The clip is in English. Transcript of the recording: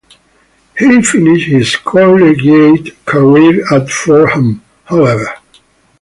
He finished his collegiate career at Fordham however.